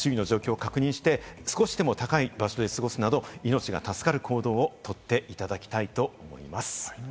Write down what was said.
周囲の状況を確認して、少しでも高い場所で過ごすなど、命が助かる行動をとっていただきたいと思います。